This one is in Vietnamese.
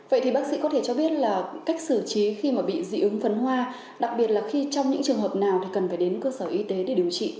vậy thì bác sĩ có thể cho biết là cách xử trí khi mà bị dị ứng phấn hoa đặc biệt là khi trong những trường hợp nào thì cần phải đến cơ sở y tế để điều trị